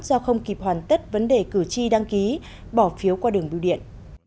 do không kịp hoàn tất vấn đề cử tri đăng ký bỏ phiếu qua đường bưu điện